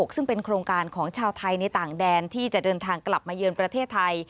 ซึ่งเป็นโครงการของชาวไทยในต่างแดนที่จะเดินทางกลับมาเยือนประเทศไทย